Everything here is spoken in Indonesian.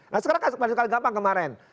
nah sekarang gampang kemarin